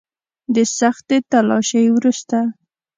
د سختې تلاشۍ وروسته.